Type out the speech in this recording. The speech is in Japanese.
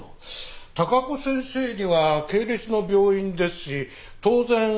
貴子先生には系列の病院ですし当然招待状は。